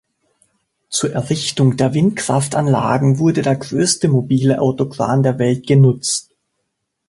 Zur Errichtung der Windkraftanlagen wurde der größte mobile Autokran der Welt genutzt.